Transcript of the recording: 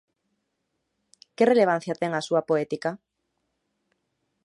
Que relevancia ten na súa poética?